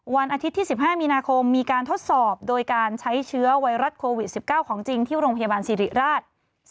วันอาทิตย์ที่๑๕มีนาคมมีการทดสอบโดยการใช้เชื้อไวรัสโควิด๑๙ของจริงที่โรงพยาบาลสิริราช